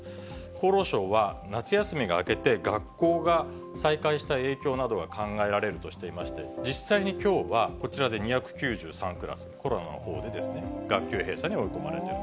厚労省は夏休みが明けて、学校が再開した影響などが考えられるとしていまして、実際にきょうは、こちらで２９３クラス、コロナのほうでですね、学級閉鎖に追い込まれている。